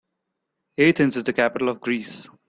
Athens is the capital of Greece.